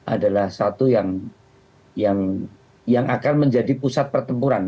adalah satu yang akan menjadi pusat pertempuran